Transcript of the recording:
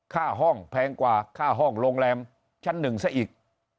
ค่าห้องแพงกว่าค่าห้องโรงแรมชั้นหนึ่งซะอีก